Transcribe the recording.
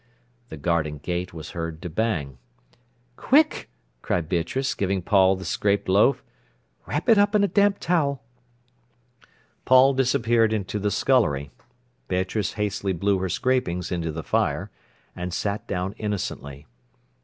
The garden gate was heard to bang. "Quick!" cried Beatrice, giving Paul the scraped loaf. "Wrap it up in a damp towel." Paul disappeared into the scullery. Beatrice hastily blew her scrapings into the fire, and sat down innocently.